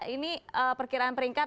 ini perkiraan peringkat